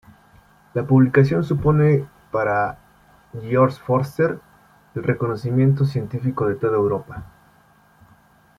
La publicación supone para Georg Forster el reconocimiento científico de toda Europa.